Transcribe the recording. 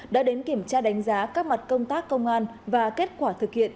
đã đến kiểm tra đánh giá các mặt công tác công an và kết quả thực hiện